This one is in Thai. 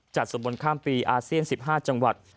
จัดส่วนข้ามปีหรืออาเซียน๑๕จังหวัฒน์